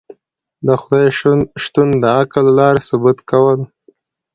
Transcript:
د خدای شتون د عقل له لاری ثبوت کول